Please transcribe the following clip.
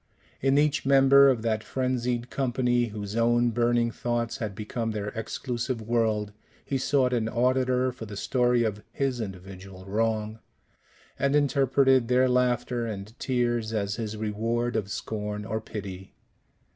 In each member of that frenzied company, whose own burning thoughts had become their exclusive world, he sought an auditor for the story of his individual wrong, and interpreted their laughter and tears as his reward of scorn or pity.